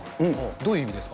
どういう意味ですか？